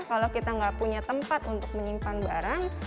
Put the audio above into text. kalau kita nggak punya tempat untuk menyimpan barang